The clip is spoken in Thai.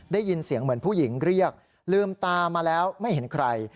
ได้ยินเสียงเหมือนผู้หญิงเรียกลืมตามาแล้วไม่เห็นใคร